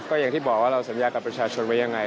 ก็อย่างที่บอกว่าเราสัญญากับประชาชนไว้ยังไง